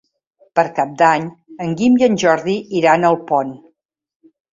Per Cap d'Any en Guim i en Jordi iran a Alpont.